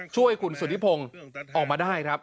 ช่วยคุณสุธิพงศ์ออกมาได้ครับ